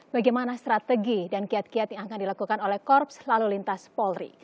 bagaimana strategi dan kiat kiat yang akan dilakukan oleh korps lalu lintas polri